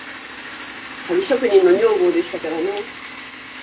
足袋職人の女房でしたからね。